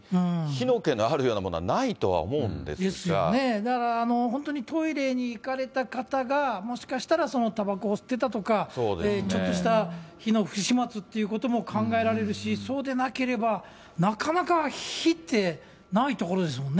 だから本当にトイレに行かれた方が、もしかしたらたばこを吸ってたとか、ちょっとした火の不始末っていうことも考えられるし、そうでなければ、なかなか火って、ない所ですもんね。